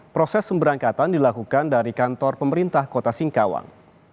proses pemberangkatan dilakukan dari kantor pemerintah kota singkawang